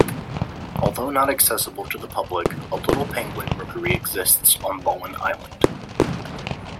Although not accessible to the public, a little penguin rookery exists on Bowen Island.